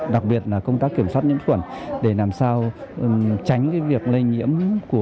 đặc biệt là công tác kiểm soát nhiễm quẩn để làm sao tránh việc lây nhiễm